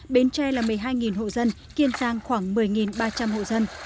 bến tre là một mươi hai hộ dân kiên giang khoảng một mươi ba trăm linh hộ dân